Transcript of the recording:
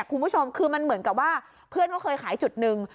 คุณผู้ชมคือมันเหมือนกับว่าเพื่อนก็เคยขายจุดหนึ่ง